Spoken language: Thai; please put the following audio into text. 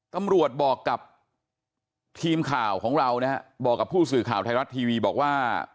ตำรวจบอกกับทีมข่าวของเรานะฮะบอกกับผู้สื่อข่าวไทยรัฐทีวีบอกว่า